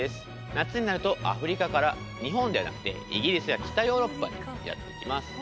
夏になるとアフリカから日本ではなくてイギリスや北ヨーロッパにやって来ます。